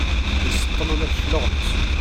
Iseṭṭel ula d cclaɣem-is.